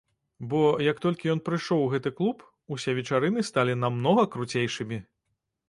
Бо, як толькі ён прыйшоў ў гэты клуб, усе вечарыны сталі намнога круцейшымі!